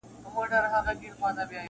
موږ له آدمزاده څخه شل میدانه وړي دي -